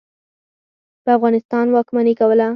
په افغانستان واکمني کوله.